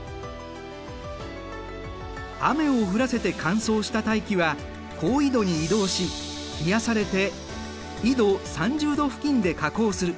雨を降らせて乾燥した大気は高緯度に移動し冷やされて緯度３０度付近で下降する。